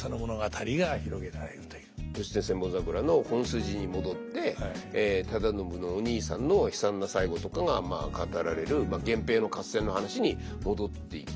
「義経千本桜」の本筋に戻って忠信のお兄さんの悲惨な最期とかがまあ語られる源平の合戦の話に戻っていく。